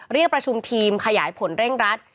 เรียกประชุมทีมขยายผลเร่งรัด